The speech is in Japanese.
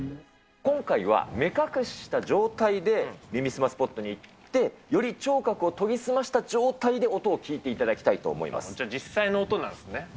今回は目隠しした状態で、耳すまスポットに行って、より聴覚を研ぎ澄ました状態で、音を聞いていただきたいと思いま実際の音なんですね。